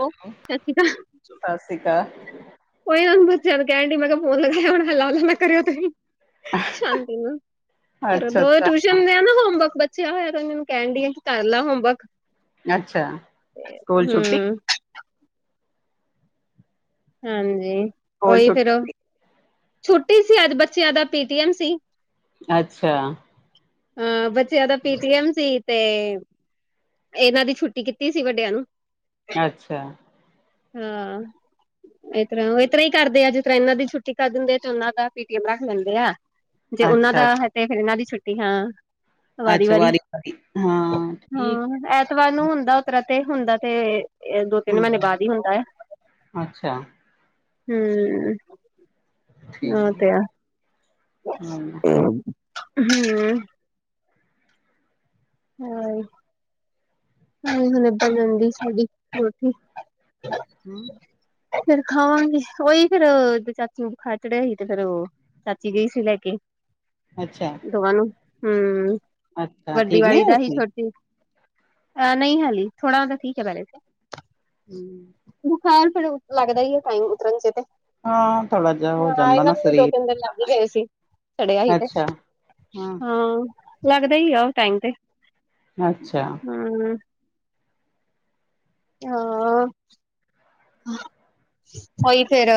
ਉਹ ਸਤਿ ਸ਼੍ਰੀ ਅਕਾਲ ਸਤਿ ਸ੍ਰੀ ਅਕਾਲ ਕੋਈ ਨੂੰ ਬੱਚਿਆ ਨੂੰ ਕਹਿਣ ਡੀ ਮੈਂ ਕਿਹਾ ਫੋਨ ਲਗਾਇਆ ਹੁਣ ਹੁਲਾ ਨਾ ਕਰਿਓ ਤੁਹੀ ਸ਼ਾਂਤੀ ਨਾ ਕਰੋ ਅੱਛਾ ਦੋ ਅੱਛਾ ਟਿਊਸ਼ਨ ਦੇ ਨਾ ਹੋਮਵਰਕ ਬ ਪੁੱਛਿਆ ਹੋਇਆ ਤਾਂ ਉਹੀ ਕਹਿਣ ਡੀ ਆ ਕੀ ਕਰਲਾ ਹੋਮਵਰਕ ਅੱਛਾ ਸਕੂਲ ਛੁੱਟੀ ਹੂੰ ਹਾਂਜੀ ਸਕੂਲ ਉਹੀ ਫਿਰ ਛੁੱਟੀ ਉਹ ਛੁੱਟੀ ਸੀ ਅੱਜ ਬੱਚਿਆਂ ਦਾ ਪੀਟੀਐਮ ਸੀ। ਅੱਛਾ। ਅ ਬੱਚਿਆਂ ਦਾ ਪੀਟੀਐਮ ਸੀ ਤੇ ਇਹਨਾਂ ਦੀ ਛੁੱਟੀ ਕੀਤੀ ਸੀ ਵੱਡਿਆਂ ਨੂੰ ਅੱਛਾ। ਹਾਂ। ਇਸ ਤਰ੍ਹਾਂ ਉਹ ਇਸ ਤਰ੍ਹਾਂ ਹੀ ਕਰਦੇ ਆ ਜਿਸ ਤਰ੍ਹਾਂ ਇਹਨਾਂ ਦੀ ਛੁੱਟੀ ਕਰ ਦਿੰਦੇ ਆ ਤੇ ਉਹਨਾਂ ਦਾ ਪੀਟੀਐਮ ਰੱਖ ਲੈਂਦੇ ਆ ਜੇ ਉਹਨਾਂ ਦਾ ਅੱਛਾ ਹੈ ਅੱਛਾ ਤੇ ਫਿਰ ਇਹਨਾਂ ਦੀ ਛੁੱਟੀ ਹਾਂ। ਵਾਰੀ ਅੱਛਾ ਵਾਰੀ ਹਾਂ ਹਾਂ ਠੀਕ ਐਤਵਾਰ ਨੂੰ ਹੁੰਦਾ ਉਤਰਾ ਤੇ ਹੁੰਦਾ ਤੇ ਇਹ ਦੋ ਹੈ ਤਿੰਨ ਹਮ ਮਹੀਨੇ ਬਾਅਦ ਹੀ ਹੁੰਦਾ ਆ ਅੱਛਾ ਹੂੰ ਠੀਕ ਓ ਤੇ ਆ ਹਮ ਹੂੰ ਹਾਂ। ਹੋਲੇ ਹੋਲੇ ਬਣ ਜਾਂਦੀ ਸਿੜੀ ਹੋਰ ਕੀ ਹੂੰ,,, ਫਿਰ ਖਾਵਾਂਗੇ ਉਹੀ ਫਿਰ ਚਾਚੂ ਬੁਖਾਰ ਚੜਿਆ ਸੀ ਤੇ ਫਿਰ ਉਹ ਚਾਚੀ ਗਈ ਸੀ ਲੈ ਕੇ ਅੱਛਾ ਦੋਵਾਂ ਨੂੰ ਹੂੰ ਅੱਛਾ ਵੱਡੀ ਠੀਕ ਨੀ ਵਾਲੀ ਹੋਏ ਦਾ ਹੀ ਸੀ ਛੋਟੀ ਆ ਨਹੀਂ ਹਾਲੀ ਥੋੜਾ ਉਹਦਾ ਠੀਕ ਹੈ ਵੈਲਿਡ ਹੂੰ,,, ਬੁਖ਼ਾਰ ਫਿਰ ਲੱਗਦਾ ਹੀ ਹੈ ਟਾਈਮ ਉਤਰਨ ਚ ਤੇ ਹਾਂ ਥੋੜਾ ਜਿਹਾ ਹੋ ਹਾਂ ਜਾਂਦਾ ਇਹਨਾਂ ਨਾ ਨੂੰ ਵੀ ਦੋ ਸਰੀਰ ਤਿੰਨ ਦਿਨ ਲੱਗ ਹੀ ਗਏ ਸੀ ਸੜਿਆ ਹੀ ਤੇ ਅੱਛਾ ਹਮ ਹਾਂ ਲੱਗਦਾ ਹੀ ਆ ਓ ਟਾਈਮ ਤੇ ਅੱਛਾ। ਹੂੰ,,, ਹਾਂ ਉਹੀ ਫਿਰ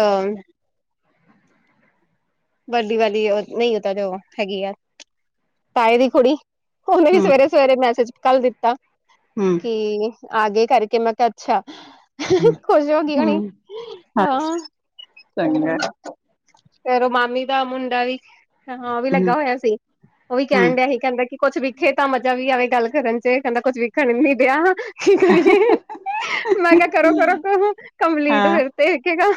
ਵੱਡੀ ਵਾਲੀ ਉਹ ਨਹੀਂ ਉਹ ਤਾਂ ਜੋ ਹੈਗੀ ਆ ਤਾਏ ਦੀ ਕੁੜੀ ਉਹਨੇ ਵੀ ਹਮ ਸਵੇਰੇ ਸਵੇਰੇ ਮੈਸੇਜ ਕੱਲ ਦਿੱਤਾ ਹੂੰ,,, ਕਿ ਆਗੇ ਕਰਕੇ ਮੈਂ ਕਿਹਾ ਅੱਛਾ ਹਮ ਖੁਸ਼ ਹੋਗੀ ਹੋਣੀ ਹਮ ਹਾਂ ਅੱਛਾ ਚੰਗਾ ਫਿਰ ਉਹ ਮਾਮੀ ਦਾ ਮੁੰਡਾ ਵੀ ਹਾਂ ਉਹ ਵੀ ਹਮ ਲੱਗਾ ਹੋਇਆ ਸੀ ਉਹ ਵੀ ਹਮ ਕਹਿਣ ਡਿਆ ਸੀ। ਕਹਿੰਦਾ ਕਿ ਕੁੱਛ ਵਿਖੇ ਤਾਂ ਮਜ਼ਾ ਵੀ ਆਵੇ ਗੱਲ ਕਰਨ ਚ ਕਹਿੰਦਾ ਕੁੱਛ ਵੇਖਣ ਨੀ ਦਿਆ ਕੀ ਕਰੀਏ ਮੈਂ ਕਿਹਾ ਕਰੋ ਕਰੋ ਤਾਂ ਕੰਪਲੀਟ ਹਾਂ ਫਿਰ ਤੇ ਦੇਖੇਗਾ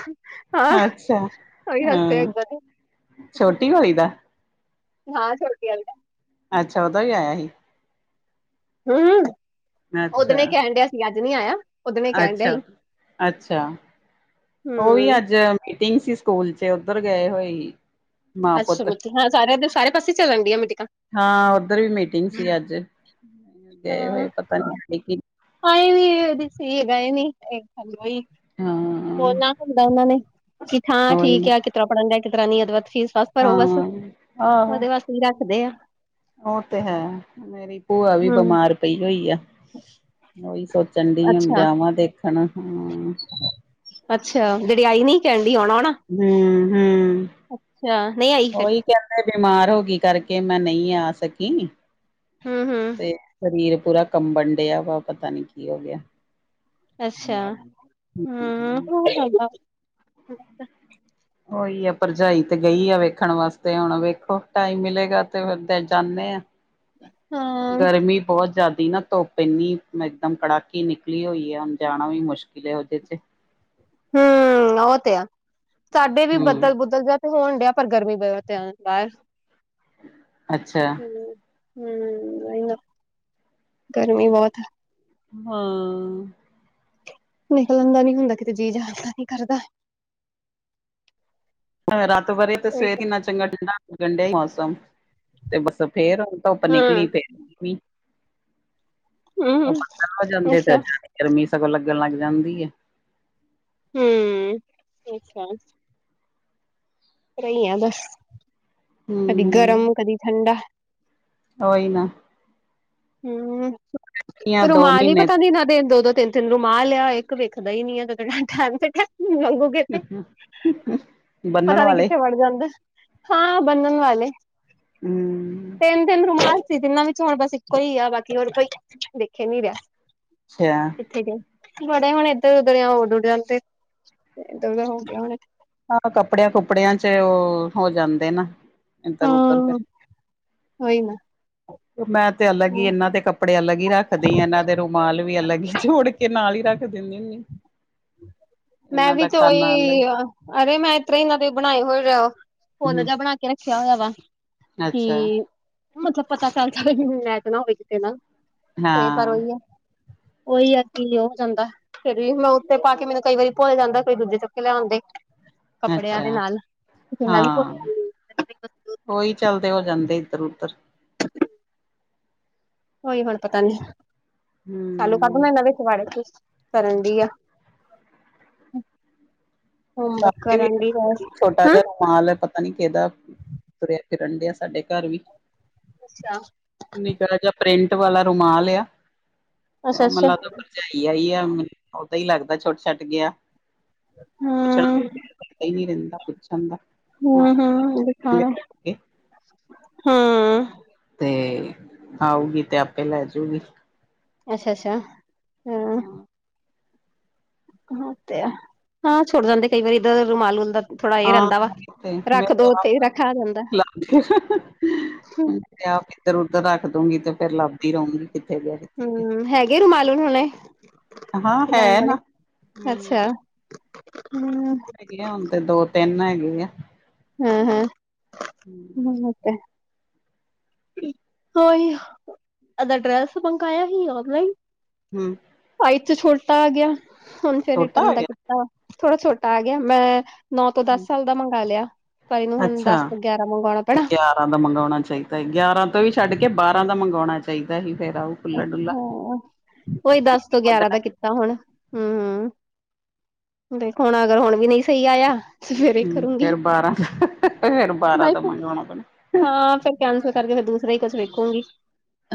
ਹਾਂ। ਅੱਛਾ ਕੋਈ ਗੱਲ ਤੇ ਹਾਂ ਵਧਣ ਛੋਟੀ ਵਾਲੀ ਦਾ ਹਾਂ ਛੋਟੀ ਅੱਛਾ ਉਹਦਾ ਵੀ ਆਇਆ ਸੀ। ਹੂੰ-ਹੂੰ, ਓਦਨ ਇਹ ਅੱਛਾ, ਕਹਿਣ ਡਿਆ ਸੀ ਅੱਜ ਨੀ ਆਇਆ। ਉਹਦਨੇ ਕਹਿਣ ਡਿਆ ਸੀ ਅੱਛਾ, ਅੱਛਾ, ਉਹ ਵੀ ਹਮ ਅੱਜ ਮੀਟਿੰਗ ਸੀ ਸਕੂਲ 'ਚ ਉੱਧਰ ਗਏ ਹੋਏ ਸੀ। ਮਾਂ ਅੱਛਾ ਪੁੱਤ ਹਾਂ ਸਾਰਿਆ ਦੇ ਸਾਰੇ ਪਾਸੇ ਚੱਲਣ ਡਿਆ ਮਿੱਟੀਕਾਂ। ਹਾਂ ਉੱਧਰ ਵੀ ਮੀਟਿੰਗ ਸੀ ਅੱਜ, ਗਏ ਹਾਂ ਹੋਏ ਪਤਾ ਨੀ ਕੀ ਆਏ ਵੀ ਉਦੋ ਈ ਸੀ ਗਏ ਨੀ। ਹਾਂ ਬੋਲਣਾ ਹੁੰਦਾ ਉਹਨਾ ਨੇ, ਹਾਂ ਉਹੀ ਠੀਕ ਨਾ ਆ ਕਿਸ ਤਰ੍ਹਾਂ ਪੜਨ ਡਿਆ ਕਿਸ ਤਰ੍ਹਾਂ ਨੀ ਉਦੇ ਫੀਸ ਬਸ ਭਰੋ ਬਸ, ਹਾਂ ਆਹੋ ਉਹਦੇ ਵਾਸਤੇ ਈ ਰੱਖਦੇ ਆ। ਉਹ ਤੇ ਹੈ, ਮੇਰੀ ਭੂਆ ਵੀ ਹਮ ਬਿਮਾਰ ਪਈ ਹੋਈ ਆ। ਉਹੀ ਸੋਚਣ ਡਈ ਆ ਵੀ ਅੱਛਾ ਜਾਵਾਂ ਦੇਖਣ ਹੁਣ। ਅੱਛਾ ਜਿਹੜੀ ਆਈ ਨੀ ਕਹਿਣ ਡਈ ਆਉਣਾ ਆਉਣਾ। ਹੂੰ ਹੂੰ ਅੱਛਾ ਨਹੀਂ ਆਈ ਫਿਰ ਉਹੀ ਕਹਿੰਦੇ ਬਿਮਾਰ ਹੋ ਗਈ ਕਰਕੇ ਮੈਂ ਨਹੀਂ ਆ ਸਕੀ ਹਮ ਹਮ ਤੇ ਸਰੀਰ ਪੂਰਾ ਕੰਬਣ ਡਿਆ ਵਾ ਪਤਾ ਨੀ ਕੀ ਹੋ ਗਿਆ। ਅੱਛਾ, ਹੂੰ। ਉਹੀ ਆ ਭਰਜਾਈ ਤੇ ਗਈ ਆ ਵੇਖਣ ਵਾਸਤੇ ਹੁਣ ਵੇਖੋ ਟਾਈਮ ਮਿਲੇਗਾ ਤੇ ਫਿਰ ਜਾਂਨੇ ਆ। ਹਾਂ ਗਰਮੀ ਬਹੁਤ ਜ਼ਿਆਦਾ ਨਾ ਧੁੱਪ ਪੈਂਦੀ ਇੰਨੀ ਇਕਦਮ ਕੜਾਕੀ ਨਿਕਲੀ ਹੋਈ ਆ ਜਾਣਾ ਵੀ ਮੁਸ਼ਕਿਲ ਏ ਉਹਦੇ ਚ। ਹੂੰ ਉਹ ਤੇ ਆ ਸਾਡੇ ਵੀ ਹੂੰ ਬੱਦਲ-ਬੁੱਦਲ ਜਾ ਹੋਣ ਡਿਆ ਪਰ ਗਰਮੀ ਬ ਤੇ ਆਦਾ ਹੈ, ਅੱਛਾ ਹੂੰ। ਹੂੰ ਉਹੀ ਨਾ ਗਰਮੀ ਬਹੁਤ ਆ। ਹਾਂ। ਨਿਕਲਣ ਦਾ ਨੀ ਹੁੰਦਾ ਕਿਤੇ ਜੀਅ ਜਾਣ ਦਾ ਨੀ ਕਰਦਾ। ਰਾਤ ਵਰੇ ਤੇ ਸਵੇਰ ਹਾਂ ਕਿੰਨਾ ਚੰਗਾ ਠੰਡਾ ਲੱਗਣ ਡਿਆ ਮੌਸਮ, ਤੇ ਬਸ ਫੇਰ ਧੁੱਪ ਨਿਕਲੀ ਤੇ ਮੀਂਹ, ਉਹ ਹੂੰ ਬੱਦਲ ਹੋ ਜਾਂਦੇ ਅੱਛਾ ਫਿਰ। ਗਰਮੀ ਸਗੋਂ ਲੱਗਣ ਲੱਗ ਜਾਂਦੀ ਏ। ਹੂੰ ਇਸ ਤਰ੍ਹਾਂ ਈ ਆ ਬਸ, ਕਦੀ ਗਰਮ ਹੂੰ ਕਦੀ ਠੰਡਾ ਉਹੀ ਨਾ। ਹੂੰ, ਦੋ ਰੁਮਾਲ ਈ ਮਹੀਨੇ ਪਤਾ ਨੀ ਇਹਨਾਂ ਦੇ ਦੋ-ਦੋ ਤਿੰਨ ਤਿੰਨ ਰੁਮਾਲ ਆ ਇੱਕ ਵਿਖਦਾ ਈ ਨੀ ਆ ਟੈਮ ਤੇ ਟੈਮ ਮੰਗੋ। ਬੰਨਣ ਪਤਾ ਨੀ ਵਾਲੇ ਕਿੱਥੇ ਵੜ ਜਾਂਦਾ, ਹਾਂ ਬੰਨਣ ਵਾਲੇ। ਹੂੰ ਤਿੰਨ-ਤਿੰਨ ਰੁਮਾਲ ਸੀ ਤਿੰਨਾਂ ਵਿਚੋਂ ਹੁਣ ਬਸ ਇਕ ਕੋ ਈ ਆ ਬਾਕੀ ਹੋਰ ਕੋਈ ਦਿਖ ਈ ਨੀ ਰਿਹਾ। ਅੱਛਾ ਕਿੱਥੇ ਗਏ। ਬੜੇ ਹੁਣ ਇੱਧਰ ਉਧਰ ਜਾਂ ਉਡ ਉੱਡ ਜਾਂਦੇ, ਇਧਰ ਉਧਰ ਹੋ ਗਏ ਹੋਣੇ। ਹਾਂ ਕੱਪੜਿਆਂ-ਕੁਪੜਿਆਂ 'ਚ ਉਹ ਹੋ ਜਾਂਦੇ ਨਾ। ਇਦਰ-ਉਦਰ, ਹਾਂ ਉਹੀ ਮੈਂ ਤੇ ਅਲੱਗੀ ਨਾ ਹੀ ਇਹਨਾਂ ਦੇ ਕੱਪ ਕੱਪੜੇ ਅਲੱਗ ਹੀ ਰੱਖਦੀ ਆ ਇਹਨਾਂ ਦੇ ਰੁਮਾਲ ਵੀ ਅਲੱਗ ਹੀ ਜੋੜ ਕੇ ਨਾਲ ਹੀ ਰੱਖ ਦਿੰਨੀ ਹੁੰਨੀ। ਮੈਂ ਵੀ ਤੇ ਅਲੱਗ ਓਹੀ ਆ ਅਰੇ ਮੈਂ ਈ ਤਰਾ ਏਨਾ ਦੇ ਬਣਾਏ ਹੋਏ, ਫੁੱਲ ਹੂੰ ਜਾ ਬਣਾ ਕੇ ਰੱਖਿਆ ਹੋਇਆ ਵਾ। ਅੱਛਾ ਕੀ, ਮਤਲਬ ਪਤਾ ਚੱਲਦਾ ਈ ਨੀ ਵੀ ਮੈਚ ਨਾ ਹੋਵੇ। ਏ ਨਲ਼ ਏ ਪਰ ਹਾਂ ਓਈ ਐ ਓਈ ਆ ਕੀ ਹੋ ਜਾਂਦਾ ਫੇਰ ਵੀ ਵਲੋਗ ਤੇ ਪਾ ਕੇ ਮੈਨੂੰ ਕਈ ਵਾਰੀ ਭੁੱਲ ਜਾਂਦਾ ਕਈ ਦੂਜੇ ਚਕ ਕੇ ਲੈ ਆਉਂਦੇ। ਕੱਪੜਿਆਂ ਦੇ ਅੱਛਾ ਨਾਲ ਓ ਤੇ ਮੈਂ ਵੀ ਕੋਈ ਨੀ ਪਾਂਦੀ। [unintelligible] ਓਈ ਚੱਲਦੇ ਹੋ ਜਾਂਦੇ ਇਧਰ-ਉਧਰ। [inaudible] ਕੋਈ ਹਰਕਤਾਂ ਨੀ ਨਾਲ਼ੇ ਕੱਢ ਹੂੰ ਨਾ ਲਵੇ ਪੁਆੜੇ [unintelligible] ਕਰਨ ਡੀ ਆ। ਹੋਮਵਰਕ ਸਾਡੇ ਵੀ ਕਰਨ ਦੀ ਬਸ ਛੋਟਾ ਹੂੰ ਜਿਆ ਰਮਾਲ ਐ ਪ ਪਤਾ ਨੀ ਕਿਦਾ ਤੁਰਿਆ ਫਿਰਨ ਡਿਆ ਸਾਡੇ ਘਰ ਵੀ। ਅੱਛਾ। ਨਿੱਕਾ ਜਿਆ ਪ੍ਰਿੰਟ ਵਾਲਾ ਰੁਮਾਲ ਆ ਤੇ ਓ ਮੈ ਅੱਛਾ ਲੈ ਦਾ। ਭਰਜਾਈ ਆਈ ਆ ਓਦਾਂ ਈ ਲਗਦਾ ਛੋਟ ਛੱਟ ਗਿਆ। ਹੂੰ [unintelligible] ਰਹਿੰਦਾ ਪੁੱਛਣ ਦਾ ਹੂੰ ਹੂੰ ਦਿਖਾਣਾ ਹੂੰ। ਤੇ ਆਊਗੀ ਤੇ ਆਪੇ ਲੈ ਜੂ ਗੀ। ਅਸ਼ ਆ ਸ਼ਾ। ਹਾਂ। ਓ ਤੇ ਹੈ ਹਾਂ ਛੁੱਟ ਜਾਂਦੇ ਕਈ ਵਾਰੀ ਏਦਾ ਦਾ ਰੁਮਾਲ ਹੁੰਦਾ ਤ ਹਾਂ [inaudible] [unintelligible] ਰੱਖ ਆ ਜਾਂਦਾ ਤੇ ਆਪ ਇੱਧਰ - ਉਧਰ ਰੱਖ ਦੂੰਗੀ ਤੇ ਫੇਰ ਲੱਭਦੀ ਰਉਂਗੀ। ਕਿੱਥੇ ਗਿਆ ਕਿੱਥ ਹੂੰ, ਹੈਗੇ ਰੁਮਾਲ ਹੁਣ ਹੁਨੇ। ਗਿਆ ਹਾਂ [unintelligible] ਹੈ ਵਾਲੇ ਨਾ ਹੂੰ ਅੱਛਾ ਹੂੰ। ਹੇਗੇ ਐ ਹੁਣ ਤੇ ਦੋ ਤਿੰਨ ਹੈਗੇ ਐ। ਹੁੰ ਹੁੰ ਹੂੰ [unintelligible] [unintelligible] ਓਈ ਅਗਰ ਡ੍ਰੈਸ ਮੰਗਾਇਆ ਸੀ ਆ ਗਿਆ ਹੀ। ਹੂੰ। ਸਾਈਜ ਚ ਛੋਟਾ ਆ ਗਿਆ ਹੁਣ ਫੇਰ ਛੋਟਾ ਰਿਟਰਨ ਹੋ ਦਾ ਕੀਤਾ ਥੋੜਾ ਛੋਟਾ ਆ ਗਿਆ ਮੈਂ ਨੌ ਤੋਂ ਗਿਆ ਦਸ ਸਾਲ ਦਾ ਮੰਗਾ ਲਿਆ ਪਰ ਇਨੂੰ ਹੁਣ ਦਸ ਤੋਂ ਗਿਆਰਾਂ ਮੰਗੋਣਾ ਪੈਣਾ। ਤਾਂ ਤਾ ਮੰਗਾਉਣਾ ਚਾਈਦਾ ਈ ਗਿਆਰਾਂ ਤੋਂ ਵੀ ਛੱਡ ਕੇ ਬਾਰਾਂ ਦਾ ਮੰਗਾਉਣਾ ਚਾਈਦਾ ਈ ਫੇਰ ਆਉ। ਹਾਂ, ‌ਓਈ ਦਸ ਤੋਂ ਗਿਆਰਾਂ ਵਧਣਾ ਦਾ ਕੀਤ ਤਾਂ ਹੁਣ ਹੂੰ- ਹੂੰ ਦੇਖੋ ਹੁਣ ਅਗਰ ਹੁਣ ਵੀ ਨਈ ਸਈ ਆਇਆ। ਤੇ ਫੇਰ ਇਹ ਹੂੰ ਫੇਰ ਕਰੂੰਗੀ ਬਾਰਾਂ ਦਾ ਫੇਰ ਬਾਰਾਂ ਦਾ ਮੰਗਾਉਣਾ ਪੈਣਾ। ਆ ਫੇਰ ਕੈਂਸਲ ਕਰਕੇ ਫੇਰ ਦੂਸਰਾ ਈ ਕੁਛ ਵੇਖੁੰਗੀ।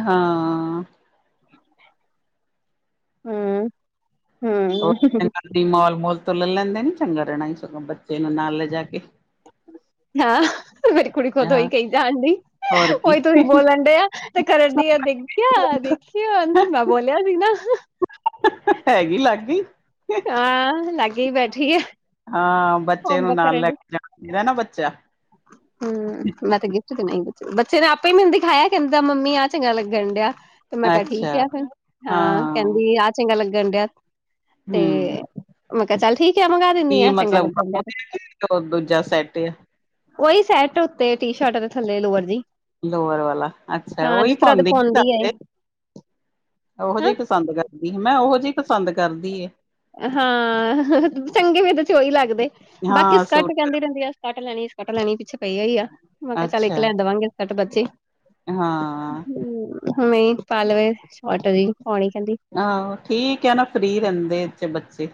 ਹਾਂ। ਹੂੰ ਹੂੰ। ਸਿਟੀ ਮਾਲ ਮੂਲ ਤੋ ਲੇ ਲੈਂਦੇ ਨੀ ਚੰਗਾ ਰੈਣਾ ਈ ਸਗੋਂ ਬੱਚੇ ਨੂੰ ਨਾਲ ਲਿਜਾ ਕੇ। ਹਾਂ ਕੁੜੀ ਖੁਦ ਓਈ ਹਾਂ ਕਈ ਜਾਨਡੀ ਹੋਰ ਕੀ ਓਈ ਤੁਸੀ ਬੋਲਣ ਡਿ ਆ ਤੇ ਕਰਨ ਡਿਆ ਕਿਆ ਹੈ ਦੇਖੀ ਐਂਜ ਮੈਂ ਬੋਲਿਆ ਸੀ ਨਾ। [unintelligible] ਹੈਗੀ ਲਾਗੀ ਹਾਂ ਲਾਗੇ ਈ ਬੈਠੀ ਏ। ਹਾਂ ਬੱਚੇ ਨੂੰ ਨਾਲ ਲੈ ਕੇ ਜਾਣਾ ਮੇਰਾ ਨਾ ਬੱਚਾ। ਹੂੰ ਮੈਂ ਤੇ ਗੀ [unintelligible] ਨਈ ਬੱਚੇ ਬੱਚੇ ਨੇ ਆਪੇ ਮੈਨੂੰ ਦਿਖਾਇਆ ਕੈਂਦਾ ਮੰਮੀ ਆਹ ਚੰਗਾ ਲੱਗਣ ਡਿਆ। ਤੇ ਮੈਂ ਕਿਹਾ ਠੀਕ ਅੱਛਾ ਆ ਫਿਰ, ਹਾਂ ਕਹਿੰਦੀ ਆ ਚੰਗਾ ਲੱਗਣ ਡਿਆ ਤੇ ਹੂੰ ਮੈਂ ਕਿਹਾ ਚੱਲ ਠੀਕ ਐ ਮੰਗਵਾ ਕੀ ਦਿੰਨੀ ਆ, ਚੰਗਾ ਮਤਲਬ ਲੱਗਣ ਡਿਆ ਤੇ। ਉਹ ਦੂਜਾ ਸੈੱਟ ਐ। ਉਹੀ ਸੈਟ ਉੱਤੇ ਟੀ ਸ਼ਰਟ ਦੇ ਥੱਲੇ ਲੋਅਰ ਜੀ। ਲੋਵਰ ਵਾਲਾ ਅੱਛਾ, ਹਾਂ ਓਹੀ ਜਿਸ ਤਰ੍ਹਾਂ ਦੇ ਪਾਉਂਦੀ, [inaudible] ਆ ਇਹ ਉਹੋ ਹਾਂ ਜਿਹੇ ਪਸੰਦ ਕਰ ਕਰਦੀ, ਮੈਂ ਉਹੋ ਜਿਹੇ ਪਸੰਦ ਕਰਦੀ ਏ। ਹਾਂ, ਚੰਗੇ ਫਿਰ ਤੇ ਓਹੀ ਲੱਗਦੇ, ਬਾਕੀ ਹਾਂ ਸਕੱਟ ਸੂਟ ਕਹਿੰਦੀ ਰਹਿੰਦੀ ਐ ਸਕੱਟ ਲੈਣੀ ਸਕੱਟ ਲੈਣੀ ਪਿੱਛੇ ਪਈ ਆ ਹੋਈ ਆ, ਮੈਂ ਕਿਹਾ ਚੱਲ ਇੱਕ ਅੱਛਾ ਲੈ ਦੇਵਾਂਗੇ ਸੈਂਟ ਬੱਚੇ। ਹਾਂ। ਨਹੀਂ ਪਾ ਲਵੇ ਸ਼ੋਟ ਜਹੀ ਪਾਉਣੀ ਕਹਿੰਦੀ। ਆਹੋ ਠੀਕ ਆ ਨਾ ਫਰੀ ਰਹਿੰਦੇ ਇਥੇ ਬੱਚੇ।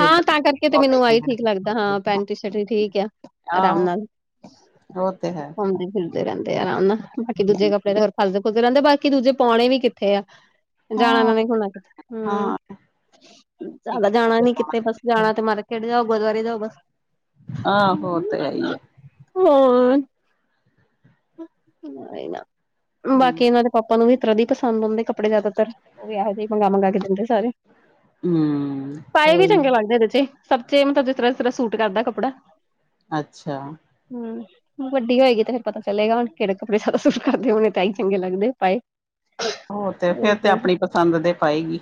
ਹਾਂ ਤਾਂ ਕਰਕੇ ਤੇ ਮੈਨੂੰ ਆਹੀ ਠੀਕ ਲੱਗਦਾ, ਹਾਂ ਪੈਂਟ ਸ਼ਰਟ ਠੀਕ ਆ ਆਰਾਮ ਨਾਲ। ਓ ਤੇ ਹੈ। ਘੁੰਮਦੇ ਫਿਰਦੇ ਰਹਿੰਦੇ ਅਰਾਮ ਨਾਲ, ਬਾਕੀ ਦੂਜੇ ਕੱਪੜੇ ਤੇ ਫਸਦੇ ਫੁਸਦੇ ਰਹਿੰਦੇ, ਬਾਕੀ ਦੂਜੇ ਪਾਉਣੇ ਵੀ ਕਿੱਥੇ ਆ। ਜਾਣਾ ਹਾਂ ਉਹਨਾਂ ਨੇ ਹੋਣਾ ਕਿਥੇ, ਹੂੰ। ਹਾਂ ਜ਼ਿਆਦਾ ਜਾਣਾ ਨੀ ਕਿਤੇ ਬਸ ਜਾਣਾ ਤੇ ਮਾਰਕੀਟ ਜਾਓ, ਗੁਰਦੁਆਰੇ ਜਾਓ ਬਸ। ਆਹੋ ਉਹ ਤੇ ਹੈ ਹੀ ਹੈ [unintelligible] ਉਹੀ ਨਾ ਬਾਕੀ ਇਹਨਾਂ ਦੇ ਪਾਪਾ ਨੂੰ ਵੀ ਇਸ ਤਰ੍ਹਾਂ ਦੇ ਹੀ ਪਸੰਦ ਆਉਂਦੇ ਕੱਪੜੇ ਜ਼ਿਆਦਾਤਰ, ਉਹ ਐਹੋ ਜਿਹੇ ਮੰਗਾ ਮੰਗਾ ਕੇ ਦਿੰਦੇ ਸਾਰੇ। ਹੂੰ। ਪਾਏ ਵੀ ਚੰਗੇ ਲੱਗਦੇ ਇਹਦੇ ਚ ਸੱਚੇ, ਮਤਲਬ ਜਿਸ ਤਰ੍ਹਾਂ ਜਿਸ ਤਰ੍ਹਾਂ ਸੂਟ ਕਰਦਾ ਕੱਪੜਾ। ਅੱਛਾ। ਹੂੰ। ਵੱਡੀ ਹੋਏਗੀ ਤੇ ਫਿਰ ਪਤਾ ਚਲੇਗਾ ਹੁਣ ਕਿਹੜੇ ਕੱਪੜੇ ਜਾਦਾ ਸੂਟ ਸਾਂਝ ਕਰਦੇ ਹੁਣ ਤਾਂ ਐਹੀ ਚੰਗੇ ਲੱਗਦੇ ਪਾਏ। ਹੋਰ ਤੇ ਫੇਰ ਤੇ ਆਪਣੀ ਪਸੰਦ ਦੇ ਪਾਏਗੀ।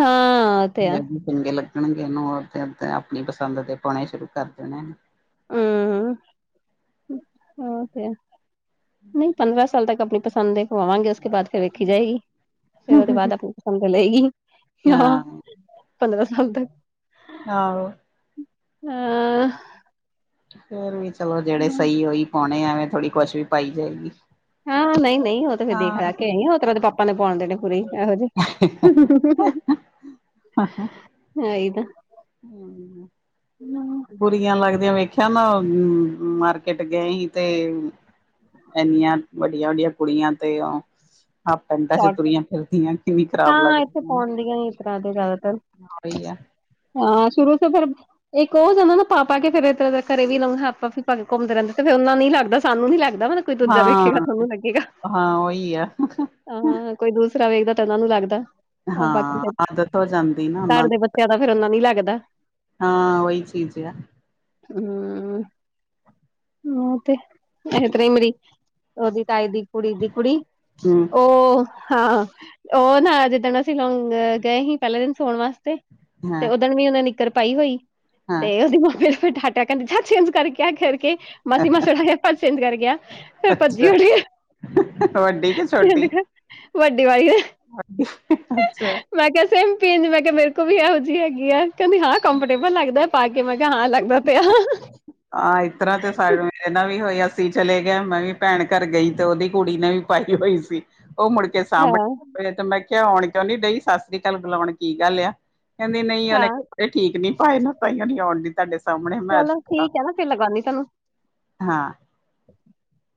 ਹਾਂ ਉਹ ਤੇ ਆ ਚੰਗੇ ਲੱਗਣਗੇ ਇਹਨੂੰ ਉਦੋਂ ਤੇ ਆਪਣੀ ਪਸੰਦ ਦੇ ਪਾਉਣੇ ਸ਼ੁਰੂ ਕਰ ਦੇਣੇ। ਹੂੰ, ਓ ਤੇ ਹੈ, ਨਹੀਂ ਪੰਦਰਾਂ ਸਾਲ ਤੱਕ ਆਪਣੀ ਪਸੰ ਪਸੰਦ ਦੇ ਪਵਾਵਾਂਗੇ, ਉਸਕੇ ਬਾਅਦ ਫਿਰ ਵੇਖੀ ਜਾਏਗੀ। ਫਿਰ ਉਹਦੇ ਬਾਅਦ ਆਪਣੀ ਪਸੰਦ ਲਏਗੀ ਹਾਂ, ਪੰਦਰਾਂ ਸਾਲ ਤੱਕ। ਆਹੋ। ਹਾਂ। ਫੇਰ ਵੀ ਚਲੋ ਜਿਹੜੇ ਸਹੀ ਉਹੀ ਪਾਉਣੇ ਐਵੇਂ ਥੋੜੀ ਕੁਛ ਵੀ ਪਾਈ ਜਾਏਗੀ। ਹਾਂ ਨਹੀਂ ਨਹੀਂ ਉਹ ਤੇ ਫੇਰ ਦੇਖ ਹਾਂ ਰਾਖ ਕੇ ਆਈ ਆ, ਉਹ ਤਰਾ ਉਹਦੇ ਪਾਪਾ ਨੇ ਪਾਉਣ ਦੇਣੇ। ਨਹੀਂ ਐਹੋ ਜਹੇ। ਹਛਾ [unintelligible] ਬੁਰੀਆਂ ਲੱਗਦੀਆਂ ਵੇਖਿਆ ਨਾ, ਮਾਰਕੀਟ ਗਏ ਹੀ ਤੇ ਐਨੀਆਂ ਵੱਡੀਆਂ ਵੱਡੀਆਂ ਕੁੜੀਆਂ ਤੇ ਓ ਹਾਫ ਪੈਂਟਾਂ ਚ ਸ਼ਾਰਟ ਤੁਰੀਆਂ ਫਿਰਦੀਆਂ ਕਿੰਨੀ ਖਰਾਬ ਹਾਂ ਇੱਥੇ ਲੱਗਦੀਆਂ। ਪਾਉਂਦੀਆਂ ਹੀ ਇਸ ਤਰ੍ਹਾਂ ਦੇ ਜ਼ਿਆਦਾਤਰ ਆ ਓਹੀ ਆ। ਹਾਂ ਸ਼ੁਰੂ ਤੋਂ ਫਿਰ ਇੱਕ ਉਹ ਜਾਂਦਾ ਨਾ ਪਾ ਪਾ ਕੇ ਫਿਰ ਇੱਧਰ ਘਰੇ ਵੀ ਹਾਫ-ਹਾਫ ਪਾ ਕੇ ਘੁੰਮਦੇ ਰਹਿੰਦੇ, ਫਿਰ ਉਹਨਾ ਨੀ ਲੱਗਦਾ ਸਾਨੂੰ ਨੀ ਲੱਗਦਾ ਲੱਗਦਾ, ਮਤਲਬ ਕੋਈ ਦੂਜਾ ਵੇਖੇਗਾ ਹਾਂ, ਤੁਹਾਨੂੰ ਹਾਂ ਉਹੀ ਆ। ਹਾਂ ਹਾਂ, ਕੋਈ ਦੂਸਰਾ ਵੇਖਦਾ ਤਾਂ ਉਹਨਾਂ ਨੂੰ ਲੱਗਦਾ। ਬਾਕੀ ਹਾਂ ਫਿਰ, ਆਦਤ ਹੋ ਜਾਂਦੀ ਨਾ ਉਹਨਾਂ ਘਰ ਦੇ ਨੂੰ ਬੱਚਿਆਂ ਦਾ ਫੇਰ ਓਨਾ ਨੀ ਲੱਗਦਾ। ਹਾਂ ਉਹਹੀ ਚੀਜ਼ ਹੈ ਹਮ ਉ ਤੇ ਇਸ ਤਰ੍ਹਾਂ ਮਰੀ ਉਹਦੀ ਤਾਈ ਦੀ ਕੁੜੀ ਦੀ ਕੁੜੀ ਹੂੰ ਉਹ ਹਾਂ ਉਹ ਨਾ ਜਿੱਦਣ ਅਸੀਂ ਲੋਂਗ ਗਏ ਸੀ ਪਹਿਲੇ ਦਿਨ ਸੋਣ ਵਾਸਤੇ ਤੇ ਹਾਂ, ਉਹ ਦਿਨ ਵੀ ਉਹਨੇ ਨਿੱਕਰ ਪਾਈ ਹੋਈ ਹਾਂ ਤੇ ਉਹਦੀ ਮਾਮੇ ਫਿਰ ਡਾਟਾ ਕਹਿੰਦੇ ਜਾਂ ਚੇਂਜ ਕਰਕੇ ਆ ਕਰ ਕੇ ਮਾਸੀ-ਮਾਸੜਾ ਆਇਆ ਭਾਸ਼ਣ ਕਰ ਗਿਆ ਮੈਂ ਭੱਜੀ ਅੱਛਾ ਖੜੀ। ਵੱਡੀ ਚੇਂਜ ਛੋਟੀ ਕਰ ਵੱਡੀ ਵਾਲੀ ਏ। ਅੱਛਾ। ਮੈਂ ਕਿਹਾ ਸੇਮ ਪੀਂਸ ਮੈਂ ਕਿਹਾ ਮੇਰੇ ਕੋਲ ਵੀ ਇਹੋ ਜਿਹੀ ਹੈਗੀ ਆ ਕਹਿੰਦੀ ਹਾਂ ਕੰਫਰਟੇਬਲ ਲੱਗਦਾ। ਪਾ ਕੇ ਮੈਂ ਕਿਹਾ ਹਾਂ ਲੱਗਦਾ ਤੇ ਹੈ। ਆ ਇਸ ਤਰ੍ਹਾਂ ਤੇ ਸਾਡੇ ਮੇਰੇ ਨਾਲ ਵੀ ਹੋਇਆ ਅੱਸੀ ਚਲੇ ਗਏ ਮੈਂ ਵੀ ਭੈਣ ਘਰ ਗਈ ਤੇ ਉਹਦੀ ਕੁੜੀ ਨੇ ਵੀ ਪਾਈ ਹੋਈ ਸੀ। ਉਹ ਮੁੜ ਕੇ ਹਾਂ ਸਾਂਮਣੇ ਤੇ ਮੈਂ ਕਿਹਾ ਆਉਣ ਕਿਉਂ ਨੀ ਡਈ ਸਤਿ ਸ੍ਰੀ ਅਕਾਲ ਬੁਲਾਉਣ ਕੀ ਗੱਲ ਆ। ਕਹਿੰਦੀ ਨਹੀਂ ਹਾਂ ਉਹਨੇ ਕੱਪੜੇ ਠੀਕ ਨੀ ਪਾਏ ਨਾ ਤਾਂ ਹੀ ਆਉਣ ਦੀ ਤੁਹਾਡੇ ਸਾਹਮਣੇ ਮੈਂ ਚਲੋ ਠੀਕ ਹੈ ਨਾ ਫਿਰ ਲਗਾਉਂਦੀ ਤੁਹਾਨੂੰ। ਹਾਂ। [inaudible]